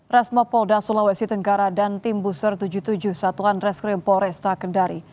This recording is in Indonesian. resmo polda sulawesi tenggara dan tim booster tujuh puluh tujuh satuan reskrim polresta kendari